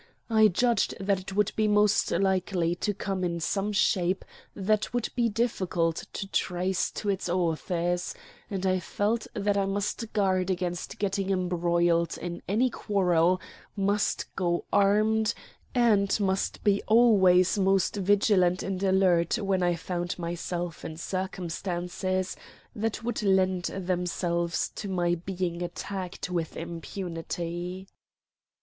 I judged that it would be most likely to come in some shape that would be difficult to trace to its authors; and I felt that I must guard against getting embroiled in any quarrel, must go armed, and must be always most vigilant and alert when I found myself in circumstances that would lend themselves to my being attacked with impunity.